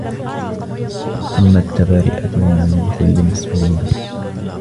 تمت تبرئته من كل مسؤولية.